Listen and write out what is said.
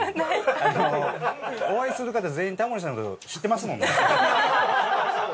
あのお会いする方全員タモリさんの事知ってますもんね。